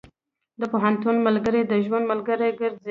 د پوهنتون ملګري د ژوند ملګري ګرځي.